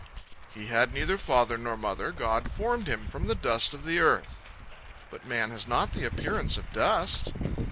"—"He had neither father nor mother, God formed him from the dust of the earth."—"But man has not the appearance of dust!"